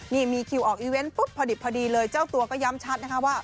นี่มีคิวออกอีเวนต์ปุ๊บพอดิบพอดีเลยเจ้าตัวก็ย้ำชัดนะคะว่า